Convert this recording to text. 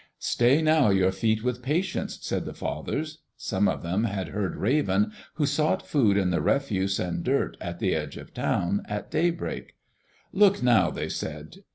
"Stay now your feet with patience," said the fathers. Some of them had heard Raven, who sought food in the refuse and dirt at the edge of town, at daybreak. "Look now," they said.